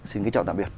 xin kính chào tạm biệt